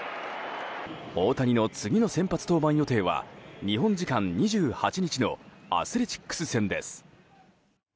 大谷の次の先発登板予定は日本時間２８日のアスレチックス戦です。